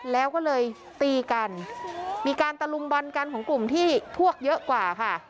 แล้วก็เลยตีกันมีการตะลุมบอลกันของกลุ่มที่พวกเยอะกว่าค่ะ